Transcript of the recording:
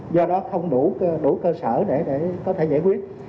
do đó không đủ cơ sở để có thể giải quyết